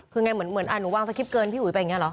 คือไงเหมือนอาหนูว่างสกริปเกินพี่หุ่ย